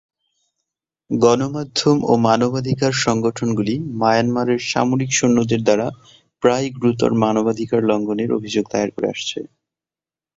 গণমাধ্যম ও মানবাধিকার সংগঠনগুলি মায়ানমারের সামরিক সৈন্যদের দ্বারা প্রায়ই গুরুতর মানবাধিকার লঙ্ঘনের অভিযোগ দায়ের করে আসছে।